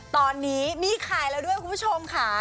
ตอนนี้มีขายแล้วด้วยคุณผู้ชมค่ะ